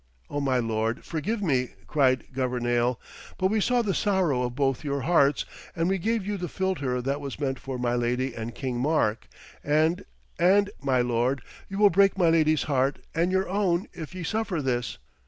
'Oh, my lord, forgive me,' cried Governale. 'But we saw the sorrow of both your hearts, and we gave you the philtre that was meant for my lady and King Mark, and and my lord, you will break my lady's heart and your own if ye suffer this.'